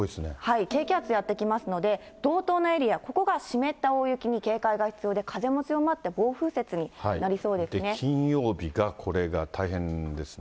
低気圧やって来ますので、道東のエリア、ここが湿った大雪に注意が必要で、強まって、暴風雪になりそうで金曜日がこれが大変ですね。